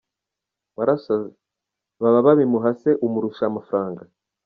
Warasaze ,, baba babimuha se umurusha amafranga.